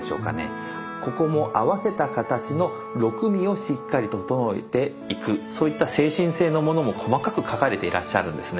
ここも合わせた形の六味をしっかり調えていくそういった精神性のものも細かく書かれていらっしゃるんですね。